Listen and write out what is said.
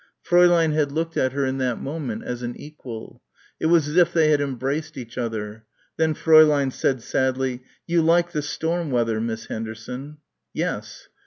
Fräulein had looked at her in that moment as an equal. It was as if they had embraced each other. Then Fräulein said sadly, "You like the storm weather, Miss Henderson." "Yes."